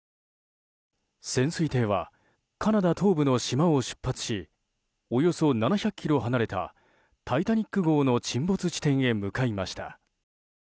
潜水艇はカナダ東部の島を出発しおよそ７００ｋｍ離れた「タイタニック号」の沈没地点へ向かいました。